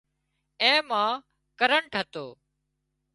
اين مان ڪرنٽ هتو